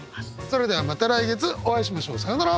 それではまた来月お会いしましょう。さようなら！